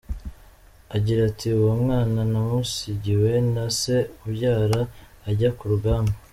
Agira ati “Uwo mwana namusigiwe na se umubyara ajya ku rugamba.